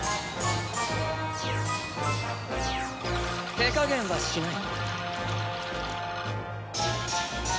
手加減はしない。